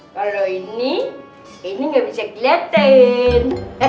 kalau ini ini ga bisa keliatan